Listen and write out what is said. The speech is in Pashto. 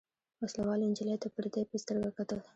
وسله والو نجلۍ ته د پردۍ په سترګه کتل.